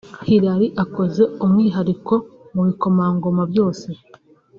Harry akoze umwihariko mu bikomomangoma byose